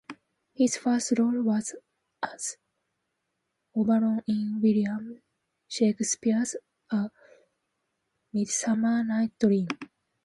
His first role was as Oberon in William Shakespeare's "A Midsummer Night's Dream".